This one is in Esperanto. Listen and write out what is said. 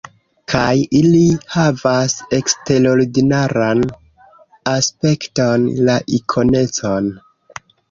Kaj ili havas eksterordinaran aspekton: la ikonecon.